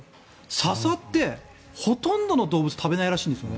笹ってほとんどの動物食べないらしいんですよね。